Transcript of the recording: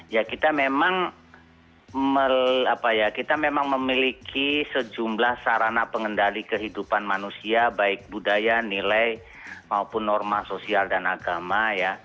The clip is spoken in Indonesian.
ya kita memang kita memang memiliki sejumlah sarana pengendali kehidupan manusia baik budaya nilai maupun norma sosial dan agama ya